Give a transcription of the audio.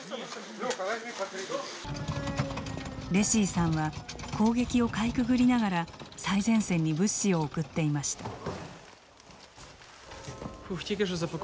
レシィさんは攻撃をかいくぐりながら最前線に物資を送っていました。